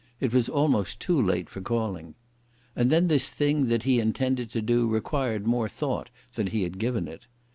It was almost too late for calling. And then this thing that he intended to do required more thought than he had given it.